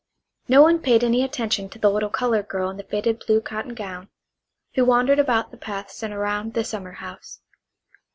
No one paid any attention to the little colored girl in the faded blue cotton gown who wandered about the paths and around the summer house.